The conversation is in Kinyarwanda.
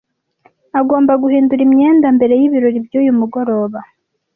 Agomba guhindura imyenda mbere y'ibirori by'uyu mugoroba.